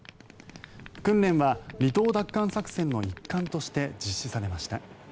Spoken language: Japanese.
訓練は離島奪還作戦の一環として実施されました。